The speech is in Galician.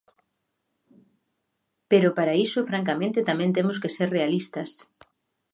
Pero para iso francamente tamén temos que ser realistas.